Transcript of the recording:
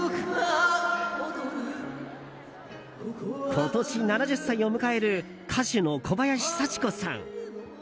今年７０歳を迎える歌手の小林幸子さん。